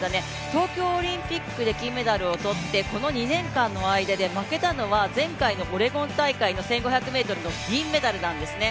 東京オリンピックで金メダルを取って、この２年間で負けたのは前回のオレゴン大会の１５００ｍの銀メダルなんですね。